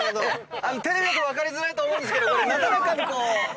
テレビだと分かりづらいと思うけどなだらかにこう。